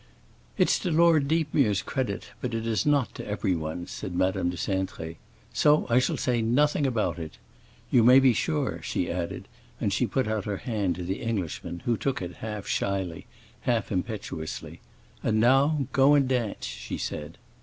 "It's to Lord Deepmere's credit, but it is not to everyone's," said Madam de Cintré. "So I shall say nothing about it. You may be sure," she added; and she put out her hand to the Englishman, who took it half shyly, half impetuously. "And now go and dance!" she said.